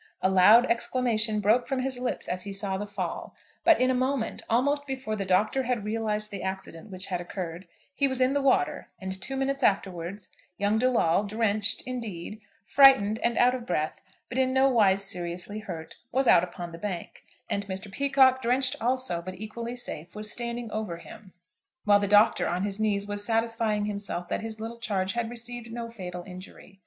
A loud exclamation broke from his lips as he saw the fall, but in a moment, almost before the Doctor had realised the accident which had occurred, he was in the water, and two minutes afterwards young De Lawle, drenched indeed, frightened, and out of breath, but in nowise seriously hurt, was out upon the bank; and Mr. Peacocke, drenched also, but equally safe, was standing over him, while the Doctor on his knees was satisfying himself that his little charge had received no fatal injury.